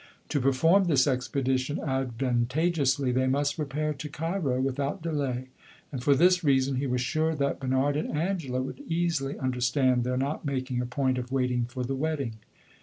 To perform this expedition advantageously they must repair to Cairo without delay, and for this reason he was sure that Bernard and Angela would easily understand their not making a point of waiting for the wedding.